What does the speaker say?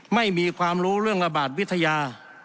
ไม่มีความรู้เรื่องระบาดวิทยา